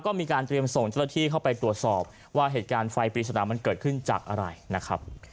ก็มีการเตรียมส่งเจ้าหน้าที่เข้าไปตรวจสอบว่าเหตุการณ์ไฟปริศนามันเกิดขึ้นจากอะไรนะครับ